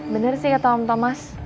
benar sih kata om thomas